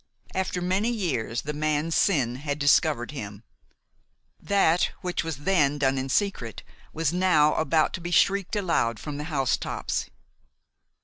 After many years the man's sin had discovered him. That which was then done in secret was now about to be shrieked aloud from the housetops.